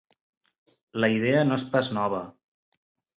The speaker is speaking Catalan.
La idea no és pas nova.